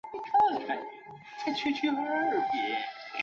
王柏心人。